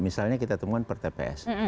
misalnya kita temuan per tps